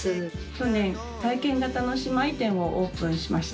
去年体験型の姉妹店をオープンしました。